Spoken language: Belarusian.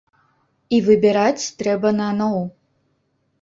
І выбіраць трэба наноў.